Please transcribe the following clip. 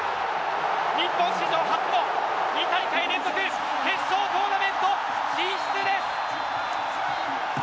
日本史上初の２大会連続決勝トーナメント進出です！